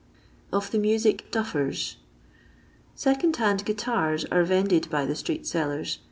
Of ihb Music "Duffers." Sbcohd Hamd Goitarm are vended by the streetdsellers.